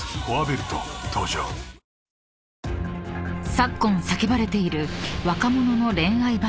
［昨今叫ばれている］